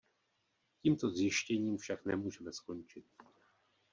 Tímto zjištěním však nemůžeme skončit.